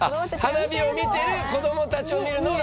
花火を見てる子どもたちを見るのは幸せ。